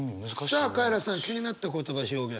さあカエラさん気になった言葉表現。